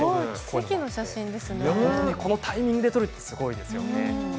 このタイミングで撮るのすごいですよね。